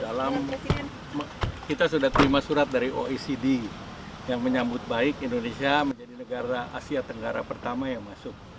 dalam kita sudah terima surat dari oecd yang menyambut baik indonesia menjadi negara asia tenggara pertama yang masuk